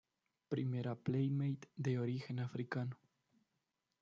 Primera playmate de origen africano.